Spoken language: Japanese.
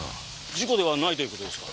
事故ではないという事ですか？